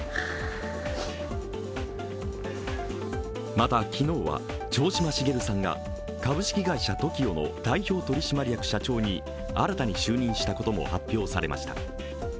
また、昨日は城島茂さんが株式会社ＴＯＫＩＯの代表取締役社長に新たに就任したことも発表されました。